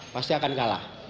pasti akan kalah